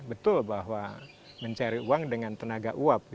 betul bahwa mencari uang dengan tenaga uap